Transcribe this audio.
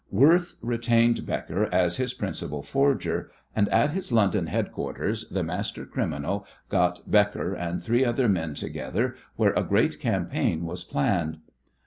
Worth retained Becker as his principal forger, and at his London headquarters the master criminal got Becker and three other men together, where a great campaign was planned.